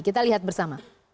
kita lihat bersama